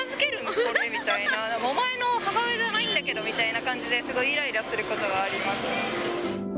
これみたいな、お前の母親じゃないんだけどみたいな感じで、すごいいらいらすることがあります。